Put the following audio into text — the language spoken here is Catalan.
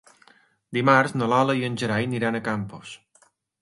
Dimarts na Lola i en Gerai iran a Campos.